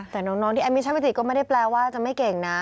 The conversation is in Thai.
แต่น้องที่วิจัยกาลังงานก็ไม่ได้แปลว่าจะไม่เก่งนะ